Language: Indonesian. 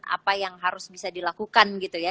apa yang harus bisa dilakukan gitu ya